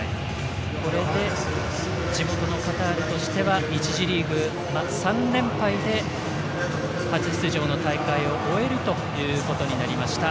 これで地元のカタールとしては１次リーグ、３連敗で初出場の大会を終えるということになりました。